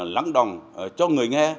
lắng đồng cho người nghe